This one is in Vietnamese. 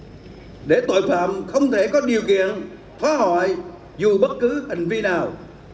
an ninh an toàn đảm bảo tuyệt đối để tội phạm không thể có điều kiện phá hỏi dù bất cứ hành vi nào